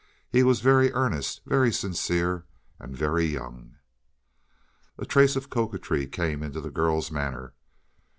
He was very earnest, very sincere, and very young. A trace of coquetry came into the girl's manner.